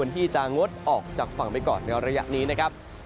ที่จะงดออกจากฝั่งไปก่อนในระยะนี้นะครับ